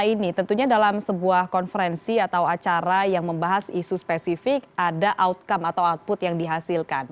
ini tentunya dalam sebuah konferensi atau acara yang membahas isu spesifik ada outcome atau output yang dihasilkan